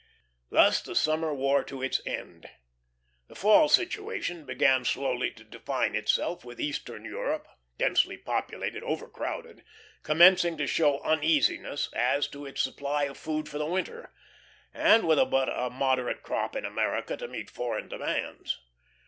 Thus the summer wore to its end. The fall "situation" began slowly to define itself, with eastern Europe densely populated, overcrowded commencing to show uneasiness as to its supply of food for the winter; and with but a moderate crop in America to meet foreign demands.